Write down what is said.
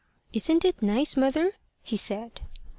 "Isn't it nice, mother?" he said.